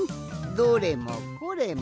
どれもこれもあり！